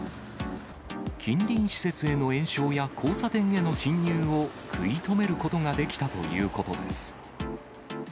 近隣施設への延焼や、交差点への進入を食い止めることができたということです。